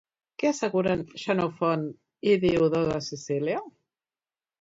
Què asseguren Xenofont i Diodor de Sicília?